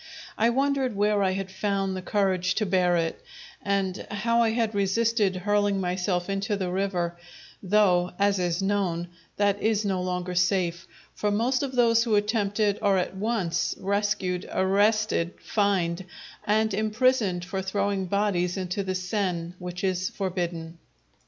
I wondered where I had found the courage to bear it, and how I had resisted hurling myself into the river, though, as is known, that is no longer safe, for most of those who attempt it are at once rescued, arrested, fined, and imprisoned for throwing bodies into the Seine, which is forbidden.